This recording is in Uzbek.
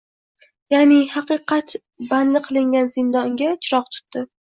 ya’ni haqiqat bandi qilingan zindonga chiroq tutdi.